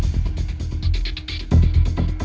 ไม่มีเจตนา